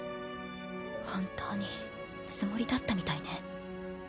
本当につもりだったみたいね。